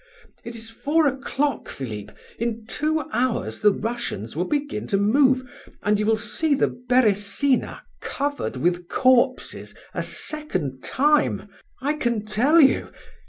It is four o'clock, Philip! In two hours the Russians will begin to move, and you will see the Beresina covered with corpses a second time, I can tell you.